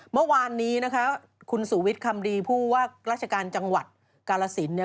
เมื่อวานนี้นะคะคุณสุวิทย์คำดีผู้ว่าราชการจังหวัดกาลสินเนี่ย